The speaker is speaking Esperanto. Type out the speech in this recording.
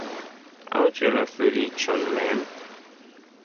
Aŭ ĉu la feliĉon mem?